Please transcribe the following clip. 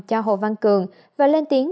cho hồ văn cường và lên tiếng